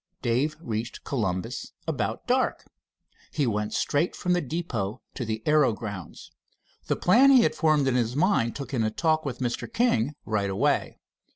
Dave reached Columbus about dark. He went straight from the depot to the aero grounds. The plan he had formed in his mind took in a talk with Mr. King right away.